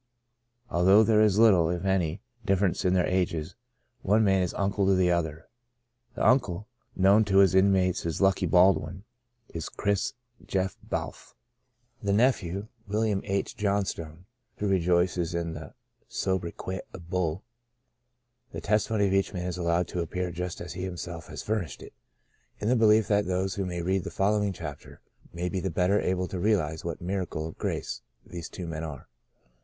Although there is little, if any, difference in their ages, one man is uncle to the other. The uncle — known to his inti mates as " Lucky Baldwin "— is Chris J. Balf ; the nephew, William H. Johnstone — who re joices in the sobriquet of *' Bull." The testi mony of each man is allowed to appear just as he himself has furnished it, in the belief that those who may read the following chap ter may be the better able to realize what miracles of grace these two men are.